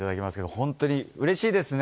本当に、うれしいですね。